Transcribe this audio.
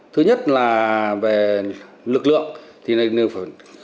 thứ nhất là về lực lượng